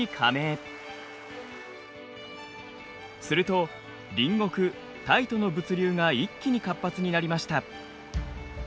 すると隣国タイとの物流が一気に活発になりました。